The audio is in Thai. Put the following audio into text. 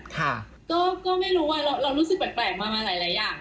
ค่ะก็ไม่รู้ว่าเรารู้สึกแปลกมาหลายอย่าง